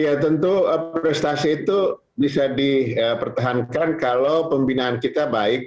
ya tentu prestasi itu bisa dipertahankan kalau pembinaan kita baik